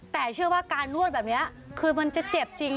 แต่เชื่อว่าการนวดแบบนี้คือมันจะเจ็บจริง